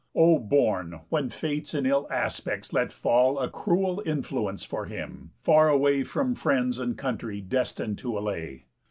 O born when Fates and ill aspects let fall A cruel influence for him! Far away From friends and country destin'd to allay.